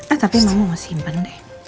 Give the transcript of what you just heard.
ah tapi mama nge simpen deh